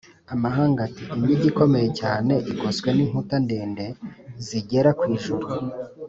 amahanga ati imigi ikomeye cyane igoswe n’inkuta ndende zigera ku ijuru.